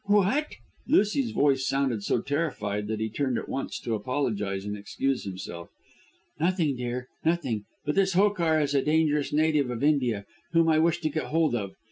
"What?" Lucy's voice sounded so terrified that he turned at once to apologise and excuse himself. "Nothing, dear; nothing. But this Hokar is a dangerous native of India whom I wish to get hold of.